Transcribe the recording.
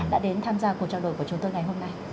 đã đến tham gia cuộc trao đổi của chúng tôi ngày hôm nay